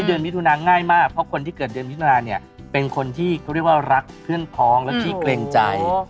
เดือนมิถุนาง่ายมากเพราะคนที่เกิดเดือนมิถุนาเนี่ยเป็นคนที่เขาเรียกว่ารักเพื่อนพ้องและขี้เกรงใจ